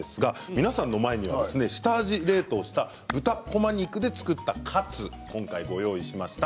皆さんの前に下味冷凍した豚こま肉で作ったカツをご用意しました。